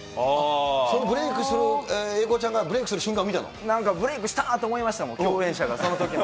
そのブレークする英孝ちゃんがブレークする瞬間をなんかブレークしたかと思いましたもん、共演者が、そのときの。